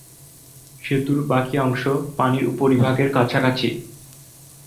সেতুর বাকি অংশ পানির উপরিভাগের কাছাকাছি।